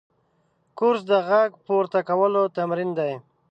کورس د غږ پورته کولو تمرین دی.